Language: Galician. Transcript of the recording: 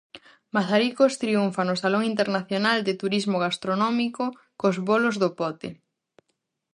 Mazaricos triunfa no Salón Internacional de Turismo Gastronómico cos bolos do pote.